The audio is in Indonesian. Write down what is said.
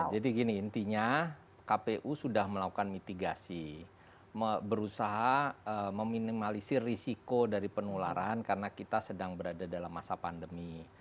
jadi gini intinya kpu sudah melakukan mitigasi berusaha meminimalisir risiko dari penularan karena kita sedang berada dalam masa pandemi